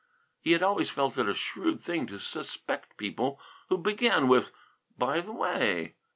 He had always felt it a shrewd thing to suspect people who began with "By the way."